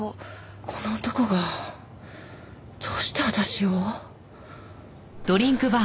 この男がどうして私を？